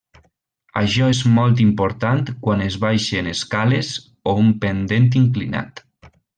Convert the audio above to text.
Això és molt important quan es baixen escales o un pendent inclinat.